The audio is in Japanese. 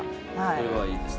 それはいいですね。